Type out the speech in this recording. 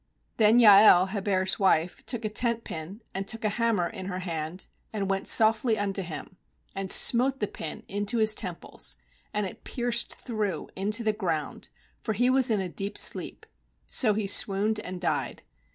21Then Jael Heber's wife took a tent pin, and took a hammer in her hand, and went softly unto him, and smote the pin into his temples, and it pierced through into the ground; for he was in a deep sleep; so he swooned and died.